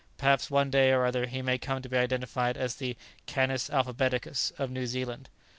Perhaps one day or other he may come to be identified as the 'canis alphabeticus' of New Zealand."